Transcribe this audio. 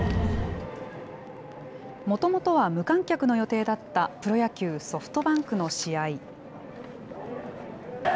もともとは無観客の予定だった、プロ野球・ソフトバンクの試合。